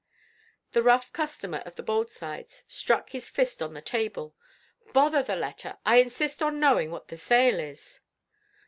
The rough customer of the Boldsides struck his fist on the table. "Bother the letter! I insist on knowing what the sale is."